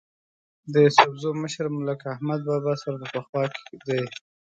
د یوسفزو مشر ملک احمد بابا سره په خوا کې دی.